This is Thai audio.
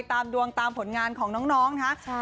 ตามดวงตามผลงานของน้องนะครับ